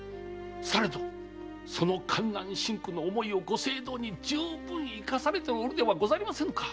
されどその艱難辛苦の思いをご政道に充分活かされておるではございませぬか。